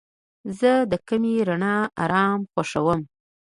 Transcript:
زه د کمې رڼا آرام خوښوم.